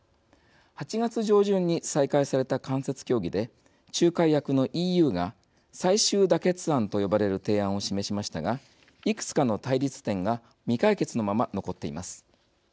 ８月上旬に再開された間接協議で仲介役のＥＵが最終妥結案と呼ばれる提案を示しましたがいくつかの対立点が未解決のまま残っています。